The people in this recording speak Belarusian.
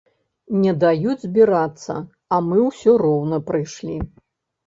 Не даюць збірацца, а мы ўсё роўна прыйшлі.